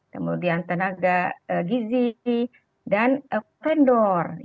kemudian tenaga gizi dan vendor